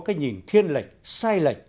cái nhìn thiên lệch sai lệch